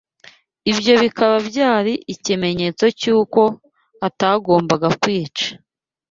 ibyo bikaba byari ikimenyetso cy’uko atagombaga kwicwa